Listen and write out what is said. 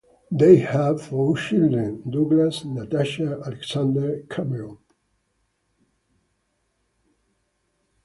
They have four children: Douglas, Natasha, Alexander, Cameron.